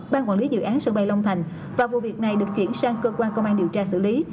ban quản lý dự án sân bay long thành và vụ việc này được chuyển sang cơ quan công an điều tra xử lý